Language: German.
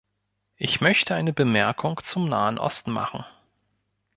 Ich möchte eine Bemerkung zum Nahen Osten machen.